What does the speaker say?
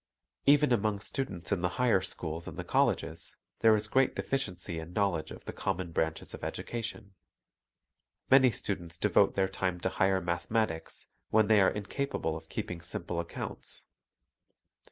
Even among students in the higher schools and the colleges, there is great deficiency in knowledge of the common branches of education. Many students devote their time to higher mathematics, when they are incapable of keep ing simple accounts.